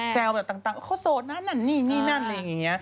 แบบต่างว่าเขาโสดนะนั่นนี่นี่นั่นอะไรอย่างนี้